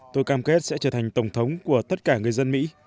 tôi cam kết sẽ trở thành tổng thống của tất cả người dân mỹ